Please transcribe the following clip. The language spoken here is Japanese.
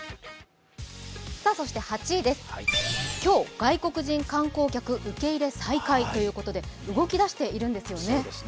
そして８位です今日、外国人観光客受け入れ再開ということで動き出しているんですよね。